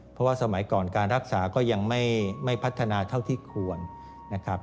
เพราะว่าสมัยก่อนการรักษาก็ยังไม่พัฒนาเท่าที่ควรนะครับ